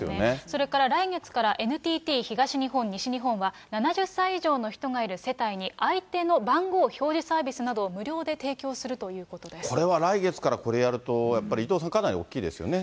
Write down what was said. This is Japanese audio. それから来月からＮＴＴ東日本、西日本は７０歳以上の人がいる世帯に相手の番号表示サービスなどこれは来月からこれやると、やっぱり伊藤さん、かなり大きいですよね。